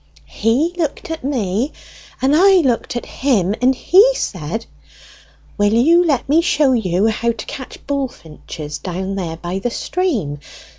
"He looked at me, and I looked at him, and he said, 'Will you let me show you how to catch bullfinches down here by the stream?'